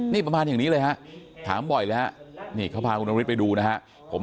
นี่ประมาณอย่างนี้เลยฮะถามบ่อยแล้วนี่เขาพาคุณนฤทธิไปดูนะฮะ